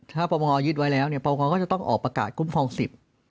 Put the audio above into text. ถ้าประมงยึดไว้แล้วเนี่ยปงก็จะต้องออกประกาศคุ้มครองสิทธิ์